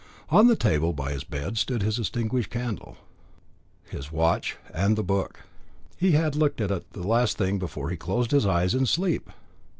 On the table by his bed stood his extinguished candle, his watch, and the book. He had looked at it the last thing before he closed his eyes in sleep.